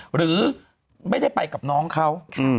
หรือไม่ได้ไปกับน้องเขา